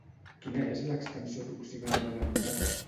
Quina és l'extensió aproximada de la Vulgata?